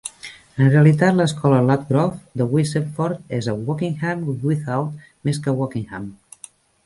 En realitat, l'escola Ludgrove de Wixenford és a Wokingham Without, més que a Wokingham.